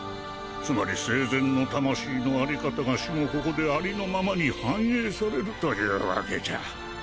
つまり生前の魂のあり方が死後ここでありのままに反映されるというわけじゃ。